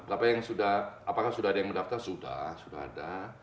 apakah sudah ada yang mendaftar sudah sudah ada